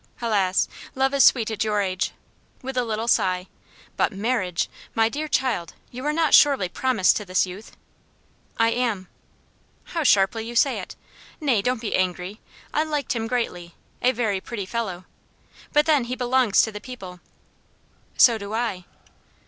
Helas! love is sweet at your age!" with a little sigh "but marriage! My dear child, you are not surely promised to this youth?" "I am." "How sharply you say it! Nay, don't be angry. I liked him greatly. A very pretty fellow. But then he belongs to the people." "So do I."